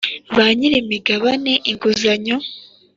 ba nyir imigabane inguzanyo